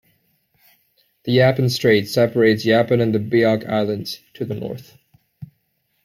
The Yapen Strait separates Yapen and the Biak Islands to the north.